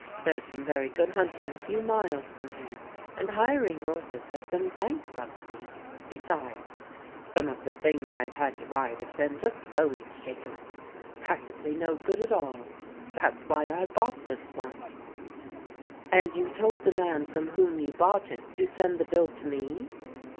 There's some very good hunting a few miles from here, and hir ing horses has been bankruptcy. Besides, some of the things I've had to ride have been just bone shakers — practically no good at all. That's why I bought this TREVOR TRELAWNBY 115 "And you told the man from whom you bought it to send the bill to me